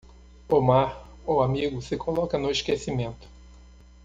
O mar, o amigo se coloca no esquecimento.